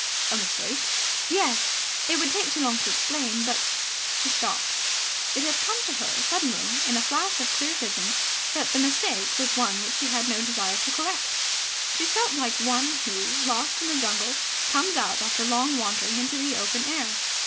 "A mistake?" "Yes. It would take too long to explain, but ..." She stopped. It had come to her suddenly, in a flash of clear vision, that the mistake was one which she had no desire to correct. She felt like one who, lost in a jungle, comes out after long wandering into the open air.